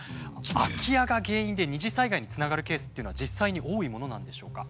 空き家が原因で二次災害につながるケースというのは実際に多いものなんでしょうか？